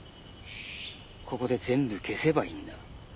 ここで全部消せばいいんだ。